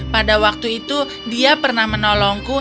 pada waktu itu dia pernah menolongku